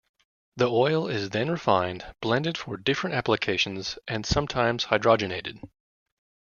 The oil is then refined, blended for different applications, and sometimes hydrogenated.